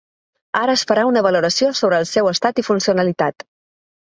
Ara es farà una valoració sobre el seu estat i funcionalitat.